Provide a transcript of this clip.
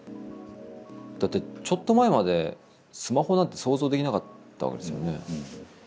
だってちょっと前までスマホなんて想像できなかったわけですよね。